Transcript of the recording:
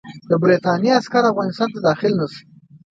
د برټانیې عسکر افغانستان ته داخل نه شي.